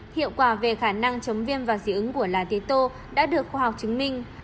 hiệu quả về khả năng chống viêm và dị ứng của lá tế tô đã được khoa học chứng minh